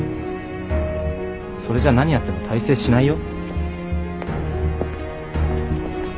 それじゃ何やっても大成しないよ。